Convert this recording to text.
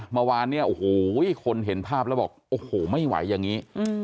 เมื่อวานเนี่ยโอ้โหคนเห็นภาพแล้วบอกโอ้โหไม่ไหวอย่างนี้